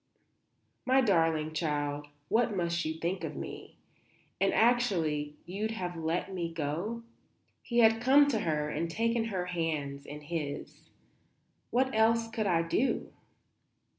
"My darling child, what must you think of me? And, actually, you'd have let me go?" He had come to her and taken her hands in his. "What else could I do?"